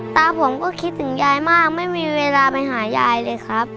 ตาผมก็คิดถึงยายมากไม่มีเวลาไปหายายเลยครับ